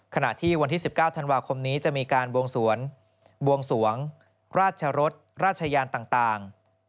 ขณะที่วันที่๑๙ธันวาคมนี้จะมีการบวงสวงราชรสราชยานต่าง